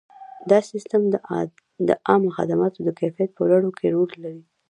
دا سیستم د عامه خدماتو د کیفیت په لوړولو کې رول لري.